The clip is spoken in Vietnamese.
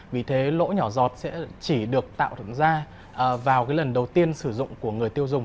vì thế lỗ nhỏ giọt sẽ chỉ được tạo thực ra vào cái lần đầu tiên sử dụng của người tiêu dùng